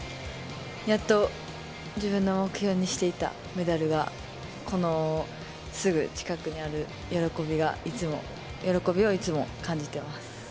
やっと自分の目標にしていたメダルが、このすぐ近くにある喜びをいつも、感じてます。